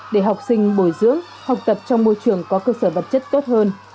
để học sinh bồi dưỡng học tập trong môi trường có cơ sở vật chất tốt hơn